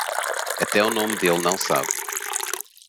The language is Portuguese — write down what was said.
Até o nome dele não sabe